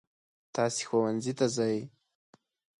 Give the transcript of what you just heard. تاسې ښوونځي ته ځئ.